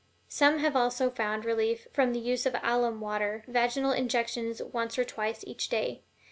Some have also found relief from the use of alum water vaginal injections once or twice each day.